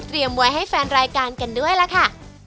เตรียมไว้ให้แฟนรายการกันด้วยละค่ะ